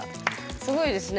すごいですね